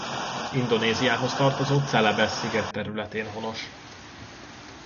Indonéziához tartozó Celebesz sziget területén honos.